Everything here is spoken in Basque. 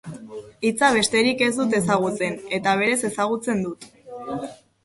Hitza besterik ez dut ezagutzen, eta berez ezagutzen dut.